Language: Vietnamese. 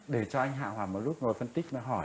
để cho anh hạ hòa một lúc ngồi phân tích